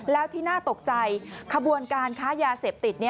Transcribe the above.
แล้วที่น่าตกใจขบวนการค้ายาเสพติด